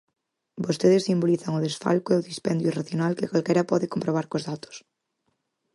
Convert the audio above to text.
Vostedes simbolizan o desfalco e o dispendio irracional que calquera pode comprobar cos datos.